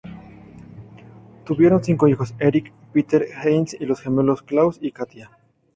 Tuvieron cinco hijos: Erik, Peter, Heinz y los gemelos Klaus y Katia.